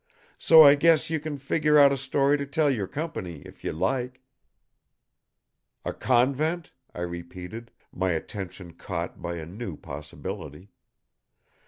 So I guess you can figure out a story to tell your company, if you like." "A convent?" I repeated, my attention caught by a new possibility.